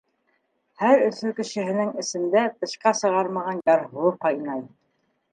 Һәр Өфө кешеһенең эсендә тышҡа сығармаған ярһыуы ҡайнай.